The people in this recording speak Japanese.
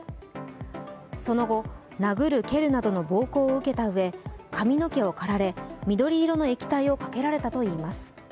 その後、殴る蹴るなどの暴行を受けたうえ、髪の毛を刈られ緑色の液体をかけられたといいます。